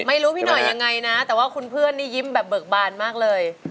ไม่รู้พี่หน่อยยังไงนะแต่ว่าคุณเพื่อนนี่ยิ้มแบบเบิกบานมากเลย